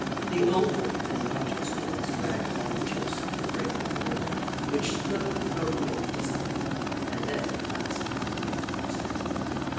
The older and larger Squirrels dragged all the chips to the brink of the river, which flowed from north to south, and then, at last, I began to understand.